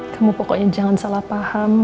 kamu pokoknya jangan salah paham